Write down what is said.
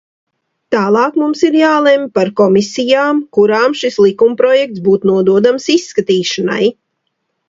Tālāk mums ir jālemj par komisijām, kurām šis likumprojekts būtu nododams izskatīšanai.